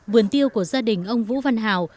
vườn tiêu của gia đình ông vũ văn hào